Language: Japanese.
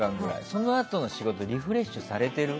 そのあとの仕事リフレッシュされてる？